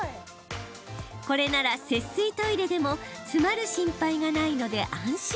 これなら節水トイレでも詰まる心配がないので安心。